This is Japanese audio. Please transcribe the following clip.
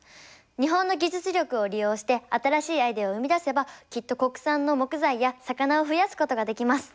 日本の技術力を利用して新しいアイデアを生み出せばきっと国産の木材や魚を増やすことができます。